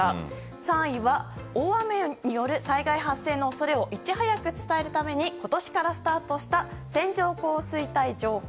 ３位は大雨による災害発生の恐れをいち早く伝えるために今年からスタートした線状降水帯情報。